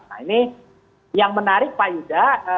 nah ini yang menarik pak yuda